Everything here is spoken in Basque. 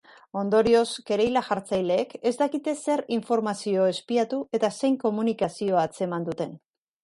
Ondorioz, kereila-jartzaileek ez dakite zer informazio espiatu eta zein komunikazio atzeman duten.